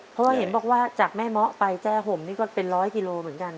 เพราะว่าเห็นบอกว่าจากแม่เมาะไปแจ้ห่มนี่ก็เป็นร้อยกิโลเหมือนกัน